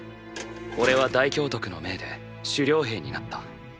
俺は大教督の命で主領兵になった。